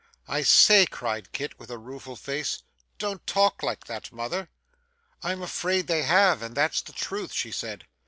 'I say,' cried Kit with a rueful face, 'don't talk like that, mother.' 'I am afraid they have, and that's the truth,' she said.